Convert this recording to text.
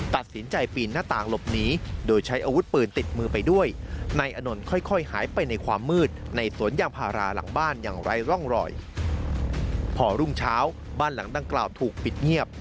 ตัดสินใจปีนหน้าต่างหลบหนี